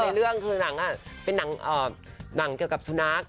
หลังของนางเป็นหนังเกี่ยวกับสุนัก